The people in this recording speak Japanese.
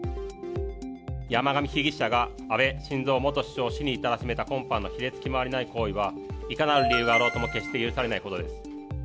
山上被疑者が、安倍晋三元首相を死に至らしめた今般の卑劣極まりない行為は、いかなる理由があろうとも、決して許されないことです。